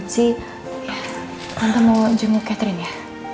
tante mau jenguk catherine ya